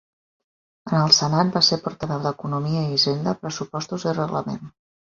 En el Senat va ser portaveu d'Economia i Hisenda, Pressupostos i Reglament.